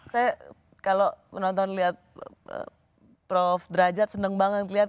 saya kalau menonton lihat prof derajat seneng banget